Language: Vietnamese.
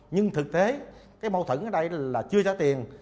nhưng thực tế cái mâu thuẫn ở đây là chưa trả tiền